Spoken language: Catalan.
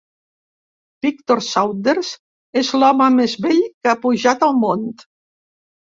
Victor Saunders és l'home més vell que ha pujat al Mont